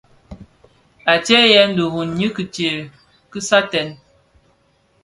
Antseyèn dirun nyi ki tsee dhi saaten.